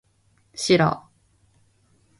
싫어.